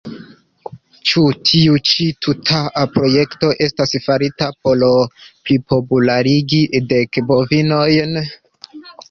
Ĉu tiu ĉi tuta projekto estas farita por plipopularigi Dek Bovinojn?